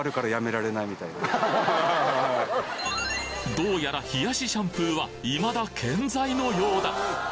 どうやら冷やしシャンプーはいまだ健在のようだ！